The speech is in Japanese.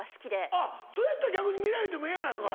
あっそやったら逆に見られてもええやないかい。